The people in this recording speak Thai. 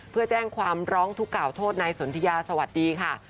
เพื่อแจ้งความร้องทุกกล่าวโทษนายสนทิยาสวัสดีค่ะ